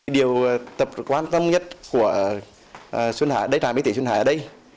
điều tập quan tâm nhất của đại trạm y tế xuân hải ở đây